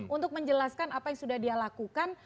untuk menjelaskan apa yang sudah dia lakukan